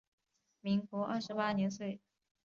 民国二十八年卒。